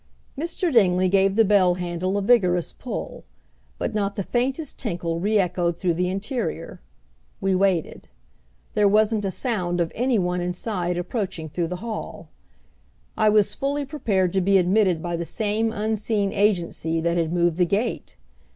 Mr. Dingley gave the bell handle a vigorous pull, but not the faintest tinkle reëchoed through the interior. We waited. There wasn't a sound of any one inside approaching through the hall. I was fully prepared to be admitted by the same unseen agency that had moved the gate.